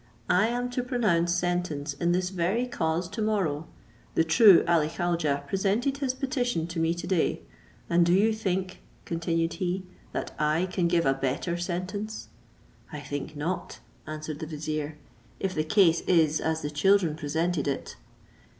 I am to pronounce sentence in this very cause to morrow; the true Ali Khaujeh presented his petition to me to day; and do you think," continued he, "that I can give a better sentence?" "I think not," answered the vizier, " if the case is as the children represented it."